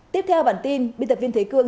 tiếp theo bản tin biên tập viên thế cương